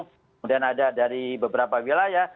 kemudian ada dari beberapa wilayah